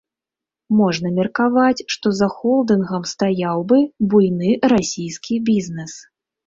Можна меркаваць, што за холдынгам стаяў бы буйны расійскі бізнэс.